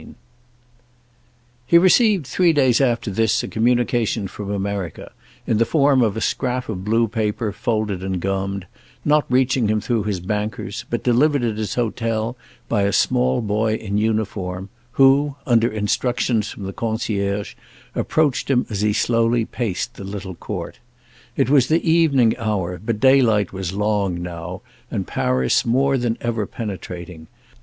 II He received three days after this a communication from America, in the form of a scrap of blue paper folded and gummed, not reaching him through his bankers, but delivered at his hotel by a small boy in uniform, who, under instructions from the concierge, approached him as he slowly paced the little court. It was the evening hour, but daylight was long now and Paris more than ever penetrating.